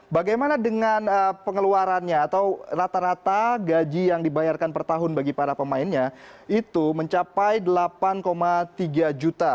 bagaimana dengan pengeluarannya atau rata rata gaji yang dibayarkan per tahun bagi para pemainnya itu mencapai delapan tiga juta